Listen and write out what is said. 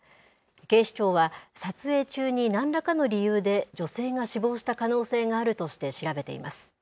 警視庁は、撮影中になんらかの理由で女性が死亡した可能性があるとして調べています。